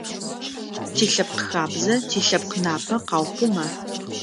Тилъэпкъхабзэ, тилъэпкънапэ къаухъума?